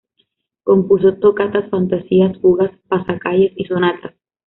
Compuso tocatas, fantasías, fugas, pasacalles y sonatas.